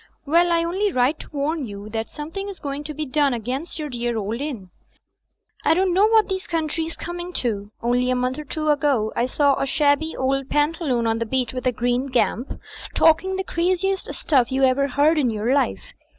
Well, I only write to warn you that something is going to be done against your dear old inn. I don't know what this Coun try's coming to. Only a month or two ago I saw a shabby old pantaloon on the beach with a green gamp, talking the craziest stuff you ever heard in your life.